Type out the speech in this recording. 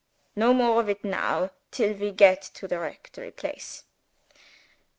No more of it now, till we get to the rectory place."